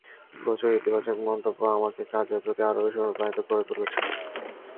প্রচুর ইতিবাচক মন্তব্য আমাকে কাজের প্রতি আরও বেশি অনুপ্রাণিত করে তুলছে।